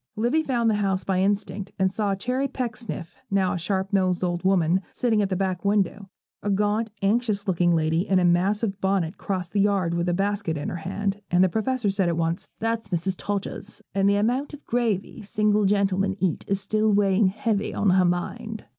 Livy found the house by instinct; and saw Cherry Pecksniff, now a sharp nosed old woman, sitting at the back window. A gaunt, anxious looking lady, in a massive bonnet, crossed the yard, with a basket in her hand; and the Professor said at once, 'That's Mrs. Todgers, and the amount of gravy single gentlemen eat is still weighing heavy on her mind.'